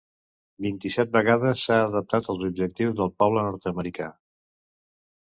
Vint-i-set vegades s’ha adaptat als objectius del poble nord-americà.